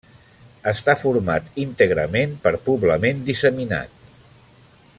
Està format íntegrament per poblament disseminat.